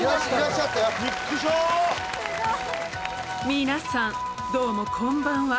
皆さんどうもこんばんは。